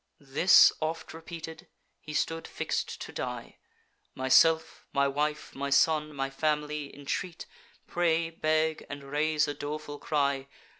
This oft repeated, he stood fix'd to die: Myself, my wife, my son, my family, Intreat, pray, beg, and raise a doleful cry.